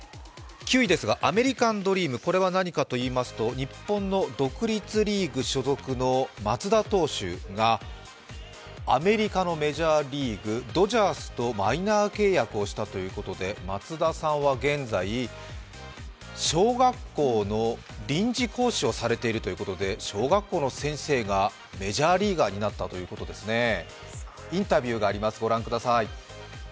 ９位ですが、アメリカンドリームは何かといいますと日本の独立リーグ所属の松田投手がアメリカのメジャーリーグ・ドジャースとマイナー契約をしたということで、松田さんは現在、小学校の臨時講師をされているということで小学校の先生がメジャーリーガーになったということですね。